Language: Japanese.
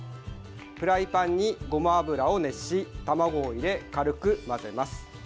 フライパンに、ごま油を熱し卵を入れ軽く混ぜます。